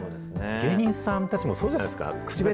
芸人さんたちもそうじゃないですか。